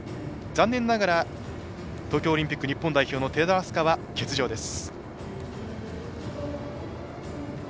残念ながら東京オリンピック日本代表の寺田明日香は欠場です。